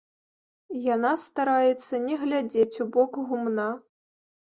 Яна стараецца не глядзець у бок гумна.